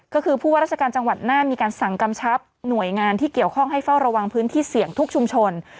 ก็คือผู้ว่าราชการจังหวัดน่านมีการสั่งกำชับหน่วยงานที่เกี่ยวข้องให้เฝ้าระวังพื้นที่เสี่ยงทุกชุมชน